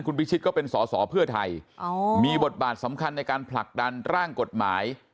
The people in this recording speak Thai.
คุณพิชิตก็เป็นสอสอเพื่อไทยมีบทบาทสำคัญในการผลักดันร่างกฎหมาย